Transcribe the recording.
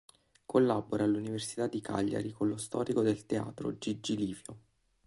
Collabora all'Università di Cagliari con lo storico del teatro Gigi Livio.